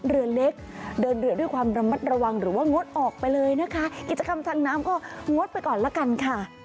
เรือเล็กเดินเรือด้วยความระมัดระวังหรือว่างดออกไปเลยนะคะกิจกรรมทางน้ำก็งดไปก่อนละกันค่ะ